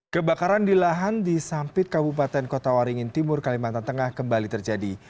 kebakaran di lahan di sampit kabupaten kota waringin timur kalimantan tengah kembali terjadi